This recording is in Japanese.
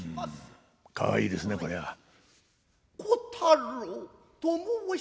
かわいいですねこれは。